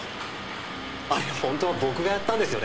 本当は僕がやったんですよね。